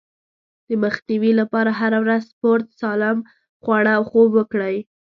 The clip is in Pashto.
د مخنيوي لپاره هره ورځ سپورت، سالم خواړه او خوب وکړئ.